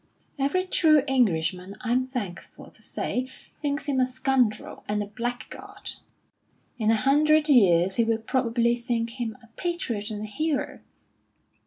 "Every true Englishman, I'm thankful to say, thinks him a scoundrel and a blackguard." "In a hundred years he will probably think him a patriot and a hero.